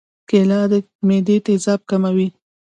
کېله د معدې تیزاب کموي.